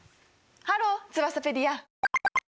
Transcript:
ハローツバサペディア。